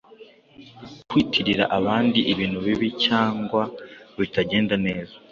kwitirira abandi ibintu bibi cyangwa bitagenda neza,